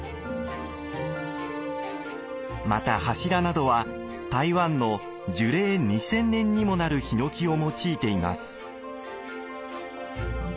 また柱などは台湾の樹齢２，０００年にもなる檜を用いています。